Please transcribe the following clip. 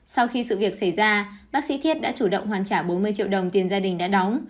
sau khi sự việc xảy ra bác sĩ thiết đã chủ động hoàn trả bốn mươi triệu đồng tiền gia đình đã đóng